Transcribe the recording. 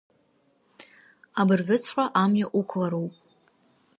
Абыржәыҵәҟьа амҩа уқәлароуп.